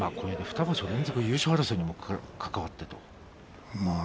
２場所連続優勝争いにも関わって。